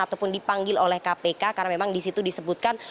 ataupun dipanggil oleh kpk karena memang disitu disebutkan